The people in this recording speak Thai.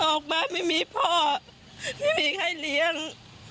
ออกมาไม่มีพ่อไม่มีใครเลี้ยง